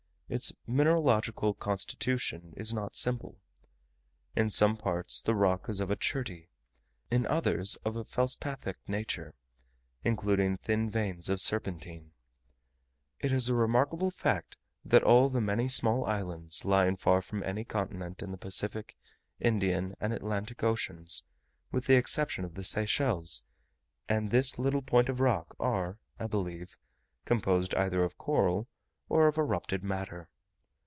Its mineralogical constitution is not simple; in some parts the rock is of a cherty, in others of a felspathic nature, including thin veins of serpentine. It is a remarkable fact, that all the many small islands, lying far from any continent, in the Pacific, Indian, and Atlantic Oceans, with the exception of the Seychelles and this little point of rock, are, I believe, composed either of coral or of erupted matter.